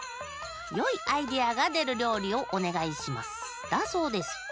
「よいアイデアがでるりょうりをおねがいします」だそうです。